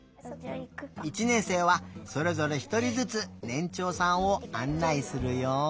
いちねんせいはそれぞれひとりずつねんちょうさんをあんないするよ。